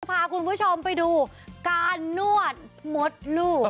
เมื่อกานเราจะพาคุณผู้ชมไปดูการนวดมดลูก